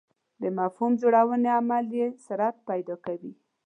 د مفهوم جوړونې عمل یې سرعت پیدا کوي.